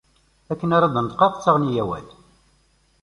Akken ara d-neṭqeɣ ttaɣen-iyi awal.